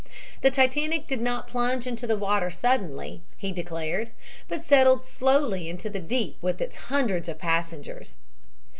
The Titanic did not plunge into the water suddenly, he declared, but settled slowly into the deep with its hundreds of passengers.